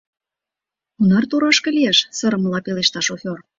— Кунар торашке лиеш? — сырымыла пелешта шофер.